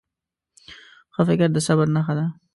ښه فکر د صبر نښه ده.